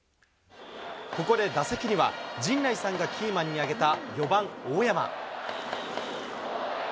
ここで打席には、陣内さんがキーマンに挙げた４番大山。